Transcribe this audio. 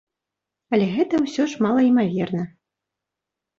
Але гэта ўсё ж малаімаверна.